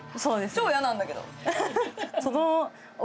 超嫌なんだけど。